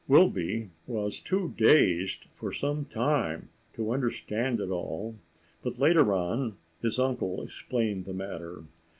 Wilby was too dazed for some time to understand it all, but later on his uncle explained the matter.